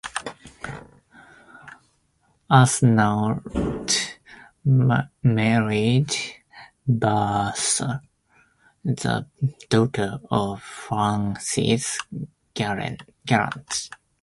Arsenault married Bertha, the daughter of Francis Gallant.